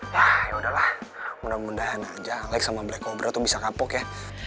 ya udahlah mudah mudahan aja alex sama black cobra tuh bisa kapok ya